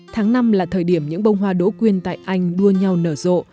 tháng năm là thời điểm những bông hoa đỗ quyên tại anh đua nhau nở rộ